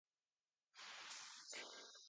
اب جھگڑے کے لیے قضیے اور دوسرے فریق کا ہونا لازم ہے۔